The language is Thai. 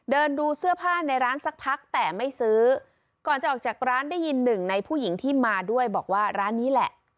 เดินดูเสื้อผ้าในร้านสักพักแต่ไม่ซื้อก่อนจะออกจากร้านได้ยินหนึ่งในผู้หญิงที่มาด้วยบอกว่าร้านนี้แหละ